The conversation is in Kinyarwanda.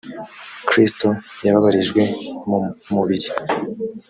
kristo yababarijwe mu mubiri